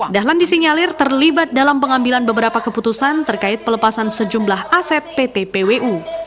dahlan disinyalir terlibat dalam pengambilan beberapa keputusan terkait pelepasan sejumlah aset pt pwu